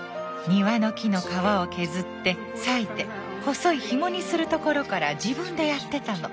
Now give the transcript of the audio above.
庭の木の皮を削って裂いて細いひもにするところから自分でやってたの。